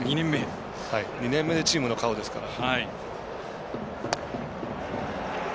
２年目でチームの顔ですから。